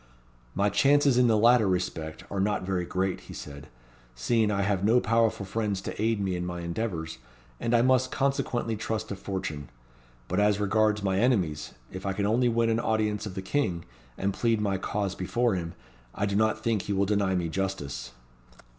"My chances in the latter respect are not very great," he said, "seeing I have no powerful friends to aid me in my endeavours, and I must consequently trust to fortune. But as regards my enemies, if I can only win an audience of the King, and plead my cause before him, I do not think he will deny me justice."